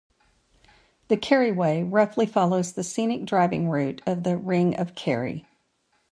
The Kerry Way roughly follows the scenic driving route of the Ring of Kerry.